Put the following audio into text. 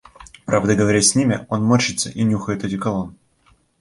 Правда, говоря с ними, он морщится и нюхает одеколон.